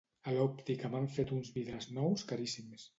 A l'òptica m'han fet uns vidres nous caríssims.